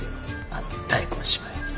あの大根芝居。